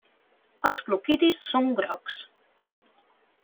Els gloquidis són grocs.